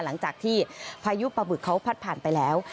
หลังจากที่พายุปะบึกเขาพัดผ่านไปแล้ว